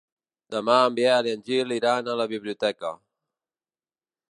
Demà en Biel i en Gil iran a la biblioteca.